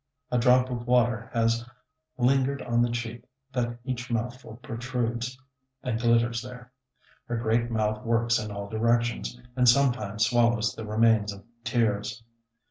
A drop of water has lingered on the cheek that each mouthful protrudes, and glitters there. Her great mouth works in all directions, and sometimes swallows the remains of tears.